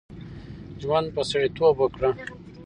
ژوند په سړیتوب وکړه.